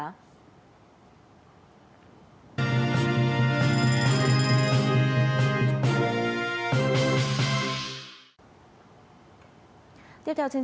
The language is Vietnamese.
tiếp theo chương trình mời quý vị và các bạn cùng đến với những tin tức của bộ giáo dục và đào tạo